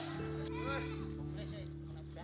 gak ada apa apa